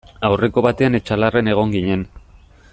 Aurreko batean Etxalarren egon ginen.